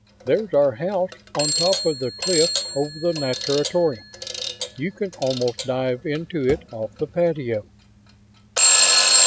There's our house, on top of the cliff over the natatorium you can almost dive into it off the patio."